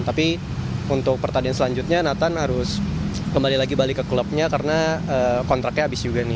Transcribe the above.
tapi untuk pertandingan selanjutnya nathan harus kembali lagi balik ke klubnya karena kontraknya habis juga nih